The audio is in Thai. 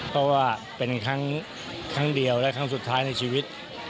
เพราะว่าเป็นครั้งเดียวและครั้งสุดท้ายในชีวิต